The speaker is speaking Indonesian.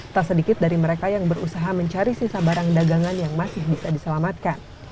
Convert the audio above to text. tak sedikit dari mereka yang berusaha mencari sisa barang dagangan yang masih bisa diselamatkan